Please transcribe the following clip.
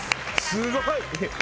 ・すごい！